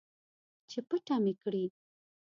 چې پټه مې کړي